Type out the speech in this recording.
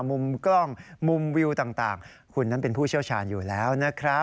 มุมกล้องมุมวิวต่างคุณนั้นเป็นผู้เชี่ยวชาญอยู่แล้วนะครับ